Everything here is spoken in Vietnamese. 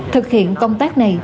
thực hiện công tác này